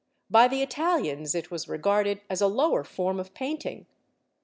By the Italians it was regarded as a lower form of painting.